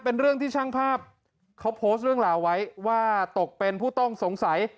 เป็นเรื่องที่ช่างภาพเขาโพสต์เรื่องราวไว้ว่าตกเป็นผู้ต้องสงสัย